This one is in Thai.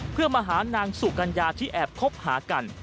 เพื่อมาหานางสุกัญญาที่แอบคบหากัน